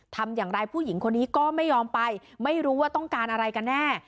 ทำอย่างไรผู้หญิงคนนี้ก็ไม่ยอมไปไม่รู้ว่าต้องการอะไรกันแน่